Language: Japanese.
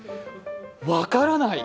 分からない。